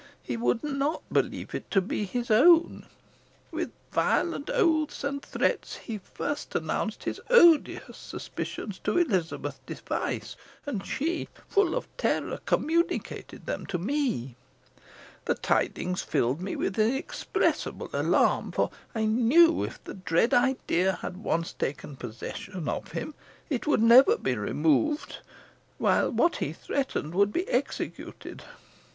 He would not believe it to be his own. With violent oaths and threats he first announced his odious suspicions to Elizabeth Device, and she, full of terror, communicated them to me. The tidings filled me with inexpressible alarm; for I knew, if the dread idea had once taken possession of him, it would never be removed, while what he threatened would be executed.